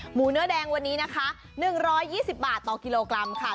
หมูเนื้อแดงวันนี้นะคะ๑๒๐บาทต่อกิโลกรัมค่ะ